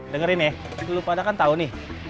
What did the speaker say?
dengerin ya lu pada kan tau nih